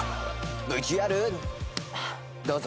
ＶＴＲどうぞ。